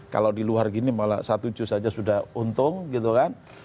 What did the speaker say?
kalau di luar gini malah satu cus saja sudah untung gitu kan